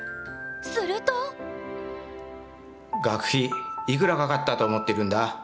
すると学費いくらかかったと思ってるんだ。